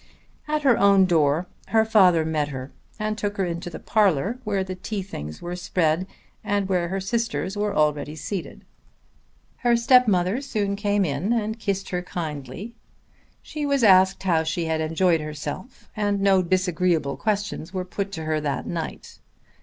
At her own door her father met her and took her into the parlour where the tea things were spread, and where her sisters were already seated. Her stepmother soon came in and kissed her kindly. She was asked how she had enjoyed herself, and no disagreeable questions were put to her that night.